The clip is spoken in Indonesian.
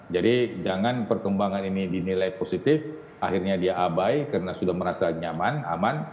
jadi jangan perkembangan ini dinilai positif akhirnya dia abai karena sudah merasa nyaman aman